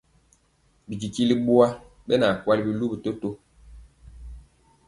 Bititili ɓowa ɓɛ na kwali biluvi toto.